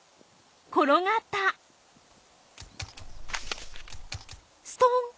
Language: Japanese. ころがったストン！